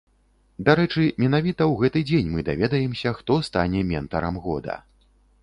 Дарэчы, менавіта ў гэты дзень мы даведаемся, хто стане ментарам года.